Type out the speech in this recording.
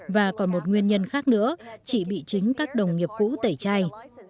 và còn một nguyên nhân khác nữa chị bị chính các đồng nghiệp cũ tẩy chay